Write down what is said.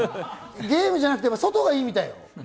ゲームじゃなくて外がいいみたいよ。